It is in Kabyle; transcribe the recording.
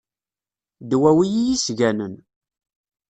Ddwawi iyi-sganen.